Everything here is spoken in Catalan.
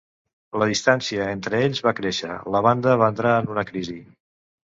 La distància entre ells va créixer, la banda va entrar en una crisi.